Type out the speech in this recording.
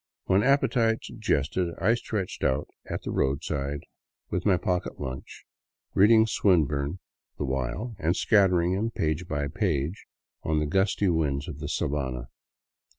When appetite suggested, I stretched out at the roadside with my pocket lunch, read ing Swinburne the while and scattering him page by page on the gusty winds of the sabana.